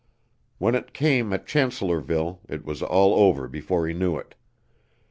When it came at Chancellorsville it was all over before he knew it.